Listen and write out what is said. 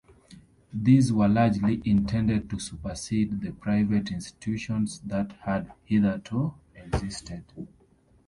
These were largely intended to supersede the private institutions that had hitherto existed.